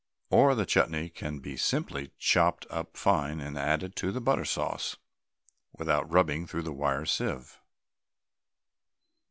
Or the chutney can be simply chopped up fine and added to the butter sauce without rubbing through the wire sieve.